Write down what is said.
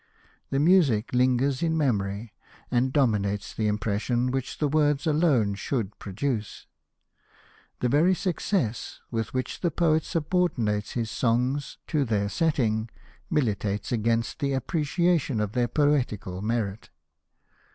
The music lingers in the memor}^, and dominates the impression w^hich the words alone should produce. The very success with which the poet subordinates his songs Hosted by Google XX POETRY OF THOMAS MOORE to their setting militates against the appreciation of their poetical merit.